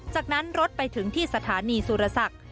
จากนั้นรถไปถึงที่สถานีสุรศักดิ์